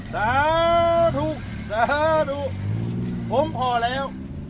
สาธุสาธุผมพอแล้ว